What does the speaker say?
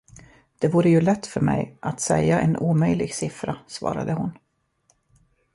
Det vore ju lätt för mig att säga en omöjlig siffra, svarade hon.